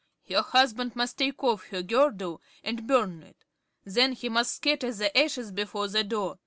Her husband must take off her girdle and burn it. Then he must scatter the ashes before the door.